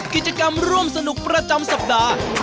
กิจกรรมร่วมสนุกประจำสัปดาห์